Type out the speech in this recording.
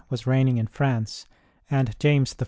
was reigning in France and James I.